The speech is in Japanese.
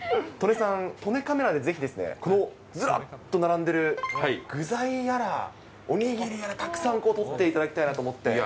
戸根さん、戸根カメラでぜひですね、このずらっと並んでる具材やらおにぎりやら、たくさん撮っていただきたいなと思って。